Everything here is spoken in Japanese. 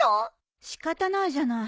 仕方ないじゃない。